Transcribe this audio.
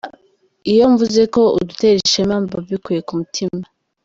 Iyo mvuze ko udutera ishema mba mbikuye ku mutima.